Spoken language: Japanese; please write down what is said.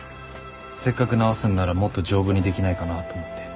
せっかく直すんならもっと丈夫にできないかなと思って。